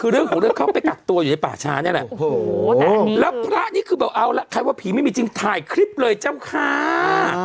แล้วพระภาคนิคือบอกเอาละใครว่าผีไม่มีจริงถ่ายคลิปเลยเจ้าค้า